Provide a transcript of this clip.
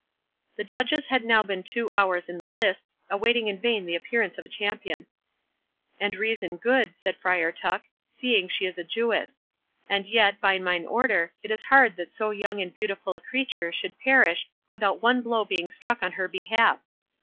The Judges had now been two hours in the lists, awaiting in vain the appearance of a champion. "And reason good," said Friar Tuck, "seeing she is a Jewess—and yet, by mine Order, it is hard that so young and beautiful a creature should perish without one blow being struck in her behalf!